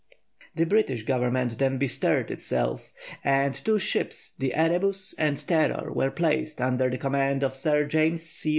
The British Government then bestirred itself, and two ships, the Erebus and Terror, were placed under the command of Sir James C.